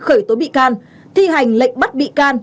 khởi tố bị can thi hành lệnh bắt bị can